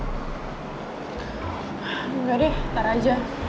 enggak deh ntar aja